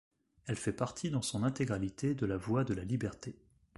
Elle fait partie dans son intégralité de la voie de la Liberté.